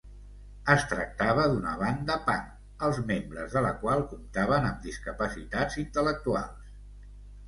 Es tractava d'una banda punk, els membres de la qual comptaven amb discapacitats intel·lectuals.